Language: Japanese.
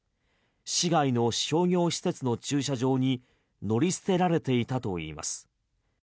市外の商業施設の駐車場に乗り捨てられていたといいます。